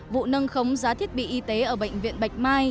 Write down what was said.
vụ nâng khống giá thiết bị y tế ở bệnh viện bạch mai